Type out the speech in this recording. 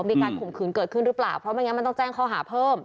ข่มขืนเกิดขึ้นหรือเปล่าเพราะไม่งั้นมันต้องแจ้งข้อหาเพิ่ม